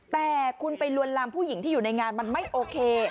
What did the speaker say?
แต่คุณไปลวนลามผู้หญิงที่อยู่ในงานมันไม่โอเค